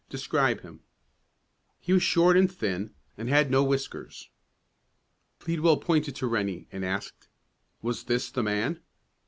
Describe him." "He was short and thin, and had no whiskers." Pleadwell pointed to Rennie, and asked, "Was this the man?"